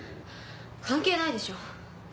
関係ないでしょ。